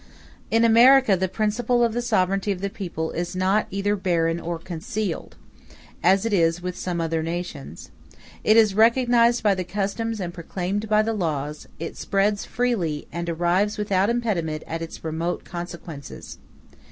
In America the principle of the sovereignty of the people is not either barren or concealed, as it is with some other nations; it is recognized by the customs and proclaimed by the laws; it spreads freely, and arrives without impediment at its most remote consequences.